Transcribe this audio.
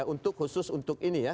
untuk khusus untuk ini ya